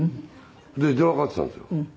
で電話かかってきたんですよ。